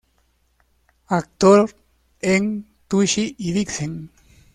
Actor en Tushy y Vixen.